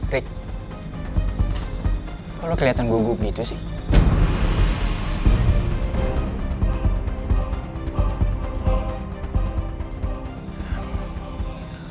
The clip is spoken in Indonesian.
ri kalau kelihatan gugup gitu sih